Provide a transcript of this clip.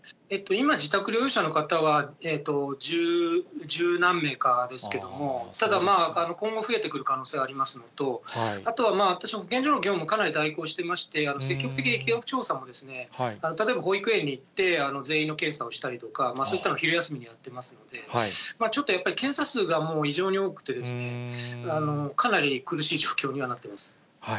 今、自宅療養者の方は十何名かですけれども、ただまあ、今後増えてくる可能性がありますのと、あとは、私、保健所の業務もかなり代行していまして、積極的疫学調査も、例えば保育園に行って、全員の検査をしたりとか、そういったのを昼休みにやってますので、ちょっとやっぱり、検査数がもう異常に多くて、かなり苦しい状況にはなってます。